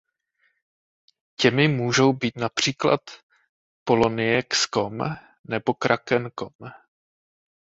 Těmi můžou být například Poloniex.com nebo Kraken.com.